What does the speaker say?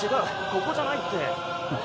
ここじゃないって。